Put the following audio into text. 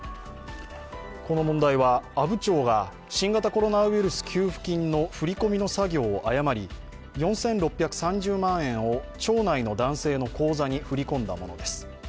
この問題は阿武町が新型コロナウイルス給付金の振り込み作業を誤り４６３０万円を町内の男性の口座に振り込んだものです。